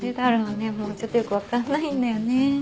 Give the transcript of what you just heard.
もうちょっとよく分かんないんだよね。